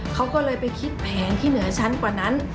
เขาก็เลยไปคิดแผงที่เหนือชั้นกว่านั้น